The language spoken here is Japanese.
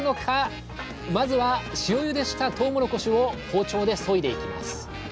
まずは塩ゆでしたとうもろこしを包丁でそいでいきます